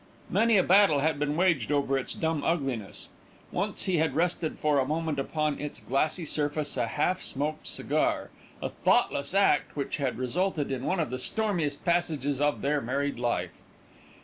Many a battle had been waged over its dumb ugliness. Once he had rested for a moment upon its glassy surface a half smoked cigar, a thoughtless act which had resulted in one of the stormiest passages of their married life.